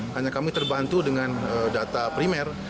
hanya kami terbantu dengan data primer